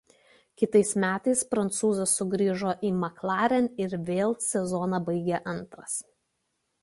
Kitais metais prancūzas sugrįžo į McLaren ir vėl sezoną baigė antras.